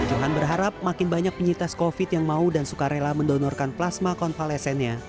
johan berharap makin banyak penyintas covid yang mau dan suka rela mendonorkan plasma konvalesennya